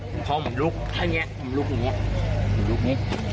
เพราะมันลุกแท้นี้มันลุกอย่างนี้มันลุกนี้